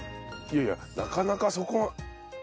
いやいやなかなか。